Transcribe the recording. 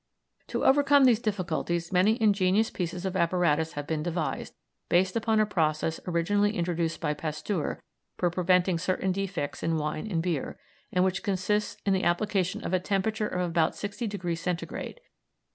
To overcome these difficulties many ingenious pieces of apparatus have been devised, based upon a process originally introduced by Pasteur for preventing certain defects in wine and beer, and which consists in the application of a temperature of about 60° Centigrade.